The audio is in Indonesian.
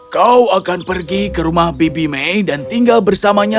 kau akan pergi ke rumah bibi may dan tinggal bersamanya